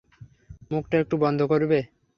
মুখটা একটু বন্ধ করবে?